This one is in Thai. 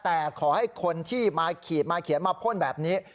แต่ขอให้คนที่มาขีดมาเขียนมาพ่นแบบนี้